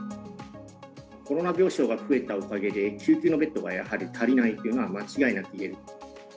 コロナ病床が増えたおかげで、救急のベッドがやはり足りないっていうのは間違いなく言える。